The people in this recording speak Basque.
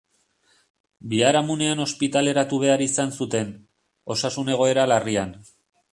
Biharamunean ospitaleratu behar izan zuten, osasun egoera larrian.